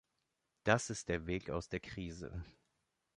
Das ist der Weg aus der Krise.